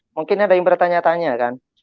mungkin ada yang bertanya tanya kan